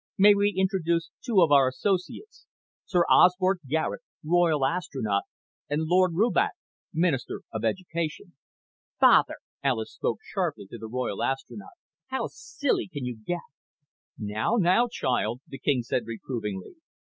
May we introduce two of our associates? Sir Osbert Garet, Royal Astronaut, and Lord Rubach, Minister of Education." "Father!" Alis spoke sharply to the Royal Astronaut. "How silly can you get?" "Now, now, child," the king said reprovingly.